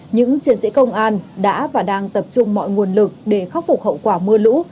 những chiến sĩ công an đã và đang tập trung mọi nguồn lực để khắc phục hậu quả mưa lũ